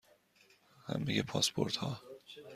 همه پاسپورت ها